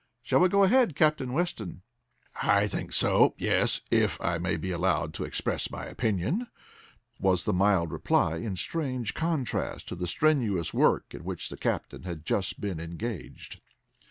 Shall we go ahead, Captain Weston?" "I think so, yes, if I may be allowed to express my opinion," was the mild reply, in strange contrast to the strenuous work in which the captain had just been engaged.